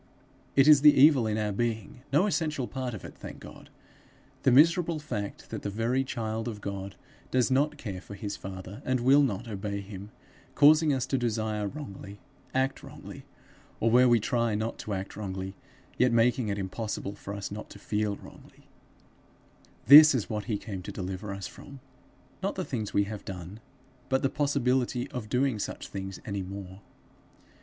It is the evil in our being no essential part of it, thank God! the miserable fact that the very child of God does not care for his father and will not obey him, causing us to desire wrongly, act wrongly, or, where we try not to act wrongly, yet making it impossible for us not to feel wrongly this is what he came to deliver us from; not the things we have done, but the possibility of doing such things any more.